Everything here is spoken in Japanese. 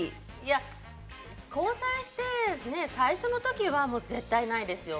交際して最初の時は絶対ないですよ。